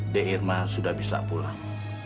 d irma sudah bisa pulang